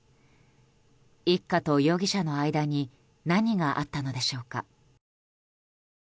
一家と容疑者の間に何があったのでしょうか。